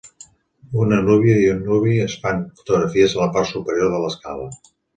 Una núvia i un nuvi es fan fotografies a la part superior de l'escala.